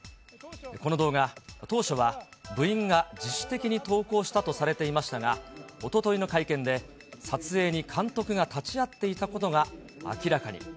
この動画、当初は、部員が自主的に投稿したとされていましたが、おとといの会見で、撮影に監督が立ち会っていたことが明らかに。